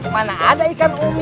mana ada ikan umi